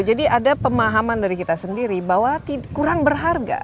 jadi ada pemahaman dari kita sendiri bahwa kurang berharga